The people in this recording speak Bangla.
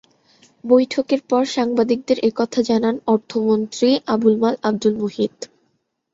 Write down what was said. বৈঠকের পর সাংবাদিকদের এ কথা জানান অর্থমন্ত্রী আবুল মাল আবদুল মুহিত।